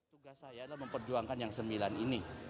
tugas saya adalah memperjuangkan yang sembilan ini